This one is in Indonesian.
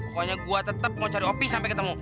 pokoknya gue tetap mau cari opi sampai ketemu